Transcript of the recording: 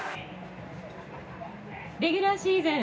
レギュラーシーズン